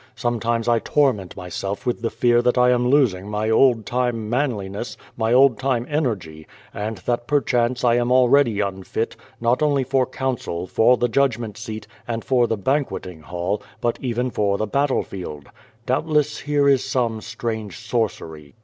Sometimes I torment myself with the fear that I am los ing my old time manliness, my old time energy, and that per chance I am already unfit, not only for council, for the judg ment seat, and for the banqueting hall, but even for the bat tlefield. Doubtless here is some strange sorcery